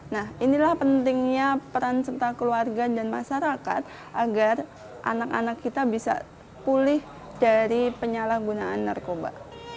nah inilah pentingnya peran serta keluarga dan masyarakat agar anak anak kita bisa pulih dari penyalahgunaan narkoba